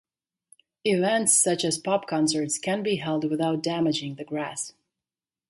Events such as pop concerts can be held without damaging the grass.